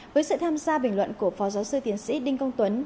với sự tham gia bình luận của phó giáo sư tiến sĩ đinh công tuấn